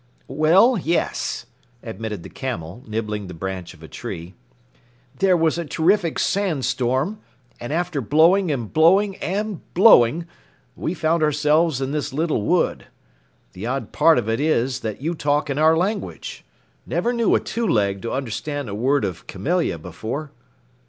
"Well, yes," admitted the Camel, nibbling the branch of a tree. "There was a terrific sandstorm, and after blowing and blowing and blowing, we found ourselves in this little wood. The odd part of it is that you talk in our language. Never knew a two leg to understand a word of Camelia before."